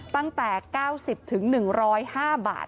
ตั้งแต่๙๐๑๐๕บาท